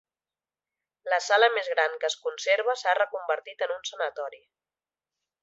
La sala més gran que es conserva s'ha reconvertit en un sanatori.